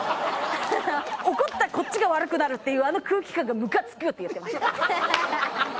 「怒ったこっちが悪くなるっていうあの空気感がムカつく」って言ってました。